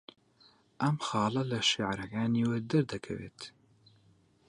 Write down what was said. ئەم خاڵە لە شێعرەکانییەوە دەردەکەوێت